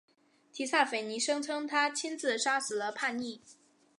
提萨斐尼声称他亲自杀死了叛逆。